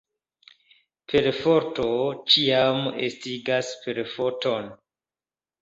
Perforto ĉiam estigas perforton.